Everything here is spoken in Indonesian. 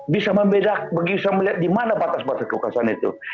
bisa membeda bisa melihat di mana batas batas kekuasaan itu